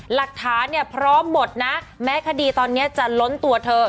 หลักฐานเนี่ยพร้อมหมดนะแม้คดีตอนนี้จะล้นตัวเธอ